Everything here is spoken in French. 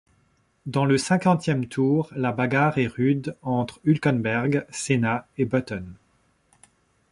Dans le cinquantième tour, la bagarre est rude entre Hülkenberg, Senna et Button.